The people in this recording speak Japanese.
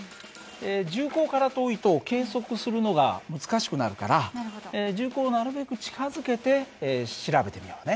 銃口から遠いと計測するのが難しくなるから銃口をなるべく近づけて調べてみようね。